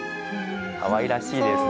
かわいらしいですね。